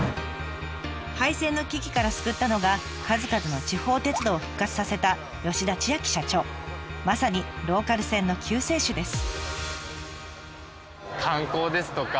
廃線の危機から救ったのが数々の地方鉄道を復活させたまさにローカル線の救世主です。